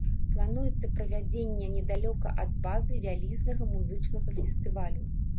Плануецца правядзенне недалёка ад базы вялізнага музычнага фестывалю.